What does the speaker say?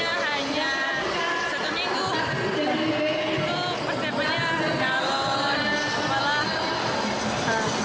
itu persiapannya sejauh sepuluh